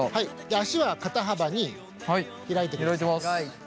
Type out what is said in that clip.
足は肩幅に開いてください。